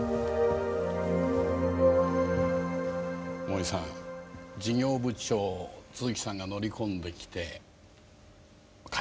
森さん事業部長都築さんが乗り込んできて開発中止と。